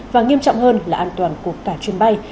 và nghiêm trọng hơn là an toàn của cả chuyến bay